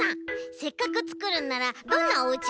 せっかくつくるんならどんなおうちがいい？